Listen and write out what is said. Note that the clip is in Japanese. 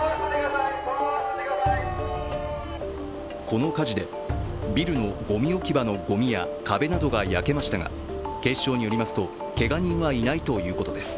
この火事で、ビルのごみ置き場のごみや壁などが焼けましたが、警視庁によりますとけが人はいないということです。